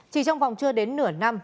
chỉ trong vòng chưa đến nửa năm